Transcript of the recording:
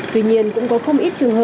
tuy nhiên cũng có không ít trường hợp